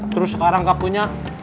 terus sekarang gak punya